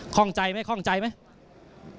ข้องใจไหมข้องใจไหม